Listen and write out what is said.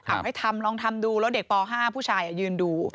เอาให้ทำลองทำดูแล้วเด็กป๕ผู้ชายยืนดู